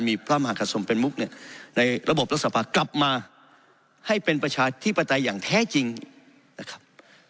มีพระมหากษมเป็นมุกเนี่ยในระบบรัฐสภากลับมาให้เป็นประชาธิปไตยอย่างแท้จริงนะครับ